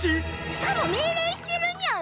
しかも命令してるニャン。